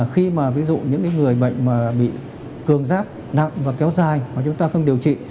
khi mà ví dụ những người bệnh mà bị cường giác nặng và kéo dài mà chúng ta không điều trị